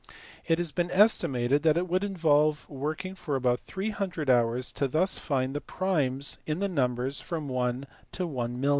It has been estimated that it would involve workiDg for about 300 hours to thus find the primes in the numbers from 1 to 1,OOQOOO.